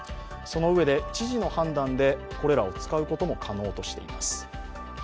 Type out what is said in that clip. そのうえで、知事の判断でこれらを使うことも可能としています。